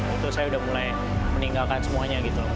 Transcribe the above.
itu saya udah mulai meninggalkan semuanya gitu loh